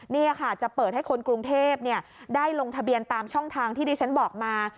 นี่ค่ะจะเปิดให้คนกรุงเทพได้ลงทะเบียนตามช่องทางที่ดิฉันบอกมา